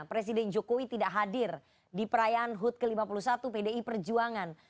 presiden jokowi tidak hadir di perayaan hud ke lima puluh satu pdi perjuangan